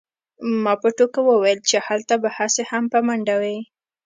ما په ټوکه وویل چې هلته به هسې هم په منډه وې